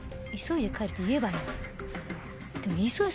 「急いで帰る」って言えばいい。